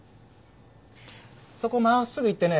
そこ真っすぐ行ってね